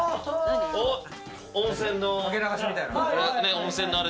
温泉の掛け流しみたいな。